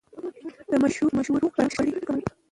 د مشورو فرهنګ شخړې راکموي